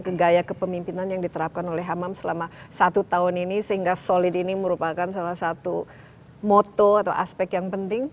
ke gaya kepemimpinan yang diterapkan oleh hamam selama satu tahun ini sehingga solid ini merupakan salah satu moto atau aspek yang penting